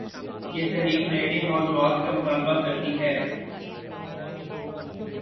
یہ 'تحریک‘ نئے نئے مو ضوعات کا مطالبہ کر تی ہے۔